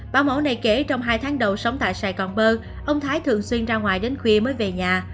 báo mẫu này kể trong hai tháng đầu sống tại sài gòn bơ ông thái thường xuyên ra ngoài đến khuya mới về nhà